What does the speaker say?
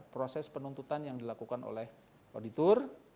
proses penuntutan yang dilakukan oleh auditor